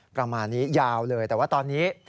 ประมาณนี้ยาวเลยแต่ว่าตอนนี้